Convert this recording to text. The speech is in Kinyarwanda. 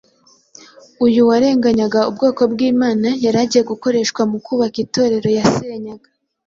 uyu warenganyaga ubwoko bw’Imana yari agiye gukoreshwa mu kubaka Itorero yasenyaga.